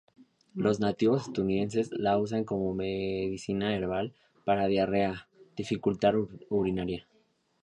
Los nativos estadounidenses la usan como medicina herbal para diarrea, dificultad urinaria.